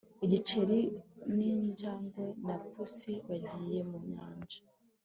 igiceri ninjangwe ya pussy bagiye mu nyanja